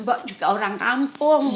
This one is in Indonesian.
mbak juga orang kampung